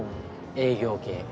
営業系。